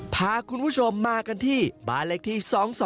พาคุณผู้ชมมากันที่บ้านเลขที่๒๒